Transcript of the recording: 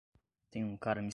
Tem um cara me seguindo